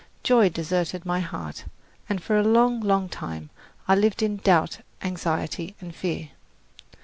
Joy deserted my heart, and for a long, long time I lived in doubt, anxiety and fear.